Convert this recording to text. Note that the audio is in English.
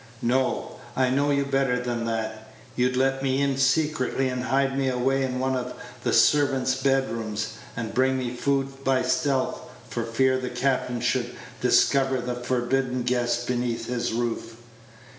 No; I know you better than that. You'd let me in secretly, and hide me away in one of the servants' bedrooms, and bring me food by stealth, for fear the captain should discover the forbidden guest beneath his roof.